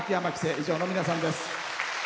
以上の皆さんです。